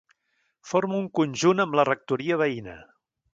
Forma un conjunt amb la rectoria veïna.